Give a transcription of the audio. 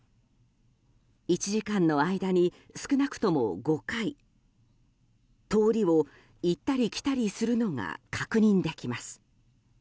１時間の間に少なくとも５回通りを行ったり来たりするのが確認できます。